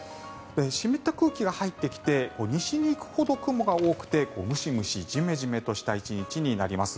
湿った空気が入ってきて西に行くほど雲が多くてムシムシジメジメとした１日になります。